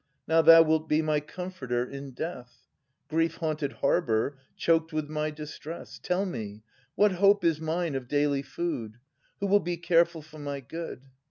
Now thou wilt be my comforter in death! Grief haunted harbour, choked with my distress! Tell me, what hope is mine of daily food. Who will be careful for my good?